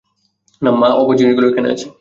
মা, আপনার জিনিসগুলো ওখানে আছে।